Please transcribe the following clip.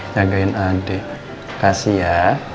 jagain adik kasih ya